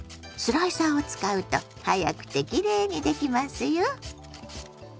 スライサーを使うと早くてきれいにできますよ。